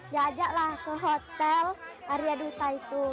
diajaklah ke hotel area duta itu